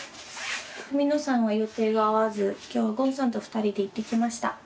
文野さんは予定が合わず今日ゴンさんと２人で行ってきました。